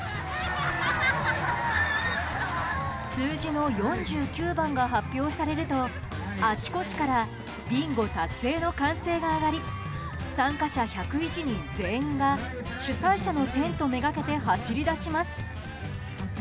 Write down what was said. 数字の４９番が発表されるとあちこちからビンゴ達成の歓声が上がり参加者１０１人全員が主催者のテントめがけて走り出します。